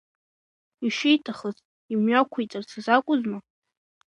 Ишиҭахыз имҩақәиҵарц азакәызма?